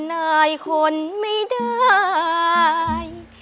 นายคนไม่ได้